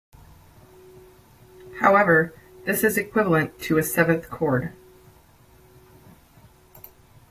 However, this is equivalent to a seventh chord.